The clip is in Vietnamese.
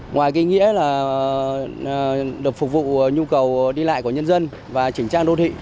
ngoài cái nghĩa là được phục vụ nhu cầu đi lại của nhân dân và chỉnh trang đô thị